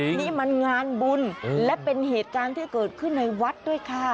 นี่มันงานบุญและเป็นเหตุการณ์ที่เกิดขึ้นในวัดด้วยค่ะ